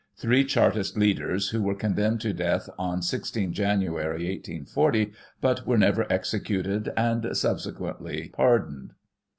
* Three Chartist leaders, who were condemned to death on 16 Jan., 1840, but were never executed, and^subsequently pardoned.